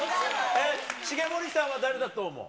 重盛さんは誰だと思う？